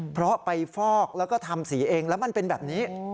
เพราะไปฟอกแล้วก็ทำสีเองแล้วมันเป็นแบบนี้